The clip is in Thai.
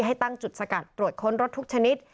ให้ตั้งจุดสกัดตรวจค้นรถทุกชนิด